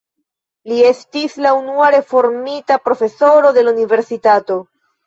Li estis la unua reformita profesoro de la universitato.